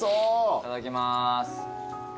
いただきます。